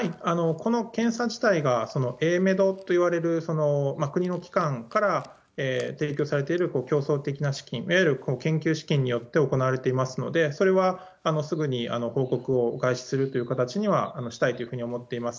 この検査自体が、ＡＭＥＤといわれる国の機関から提供されている競争的な資金、いわゆる研究資金によって行われていますので、それはすぐに報告を開始するという形にはしたいというふうに思っています。